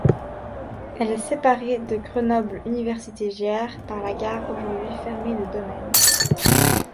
Elle est séparée de Grenoble-Universités-Gières par la gare aujourd'hui fermée de Domène.